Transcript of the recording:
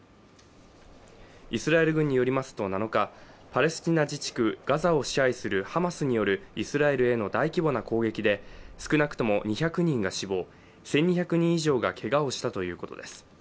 イスラエル軍によりますと７日、パレスチナ自治区ガザを支配するハマスによるイスラエルへの大規模な攻撃で少なくとも２００人が死亡、１２００人以上がけがをしたということです。